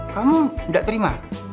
kamu tidak terima